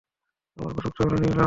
তোমার উপযুক্ত হলো নীল রঙ।